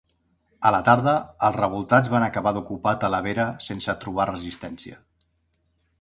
A la tarda, els revoltats van acabar d'ocupar Talavera sense trobar resistència.